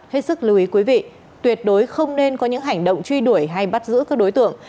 hết sức lưu ý quý vị tuyệt đối không nên có những hành động truy đuổi hay bắt giữ các đối tượng